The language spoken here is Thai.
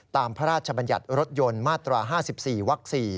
พระราชบัญญัติรถยนต์มาตรา๕๔วัก๔